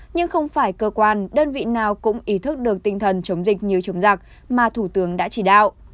nhưng không phải cơ quan đơn vị nào cũng ý thức được tinh thần chống dịch như chống giặc mà thủ tướng đã chỉ đạo